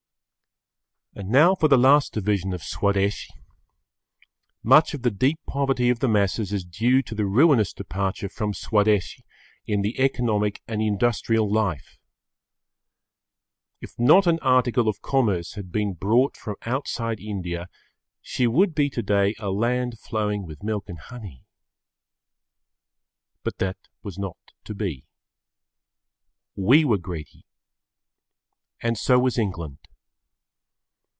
And now for the last division of Swadeshi, much of the deep poverty of the masses is due to the ruinous departure from Swadeshi in the economic and industrial life. If not an article of commerce had been brought from outside India, she would be today a land flowing with milk and honey. But that was not to be. We were greedy and so was England.